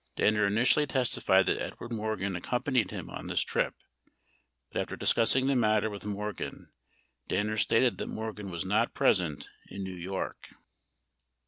Danner initially testified that Edward Morgan accompanied him on this trip, 43 but after discussing the matter with Morgan, Danner stated that Morgan was not present in New' York.